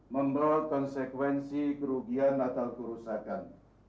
membawa konsekuensi kerugian atau kerusakan